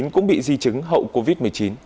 cũng bị di chứng hậu covid một mươi chín